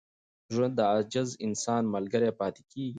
ژوند د عاجز انسان ملګری پاتې کېږي.